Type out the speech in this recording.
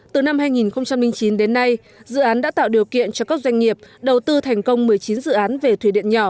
từ năm hai nghìn chín đến nay dự án đã tạo điều kiện cho các doanh nghiệp đầu tư thành công một mươi chín dự án về thủy điện nhỏ